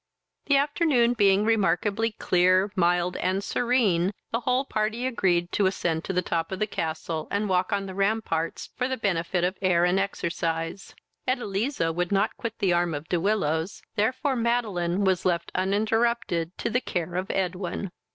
The afternoon being remarkably clear, mild, and serene, the whole party agreed to ascend to the top of the castle, and walk on the ramparts, for the benefit of air and exercise. Edeliza would not quit the arm of De Willows, therefore Madeline was left uninterrupted to the care of Edwin.